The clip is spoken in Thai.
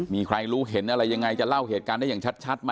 มีใครรู้เห็นอะไรยังไงจะเล่าเหตุการณ์ได้อย่างชัดไหม